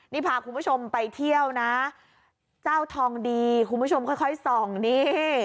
นี่พาคุณผู้ชมไปเที่ยวนะเจ้าทองดีคุณผู้ชมค่อยส่องนี่